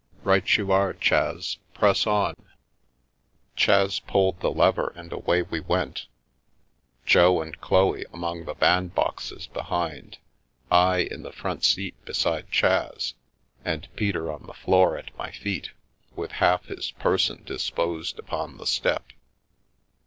Right you are, Chas, press on." Chas pulled the lever, and away we went, Jo and Chloe among the band boxes behind, I m the front seat beside Chas, and Peter on the floor at my feet, with half his person disposed upon the step.